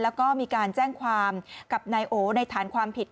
แล้วก็มีการแจ้งความกับนายโอในฐานความผิด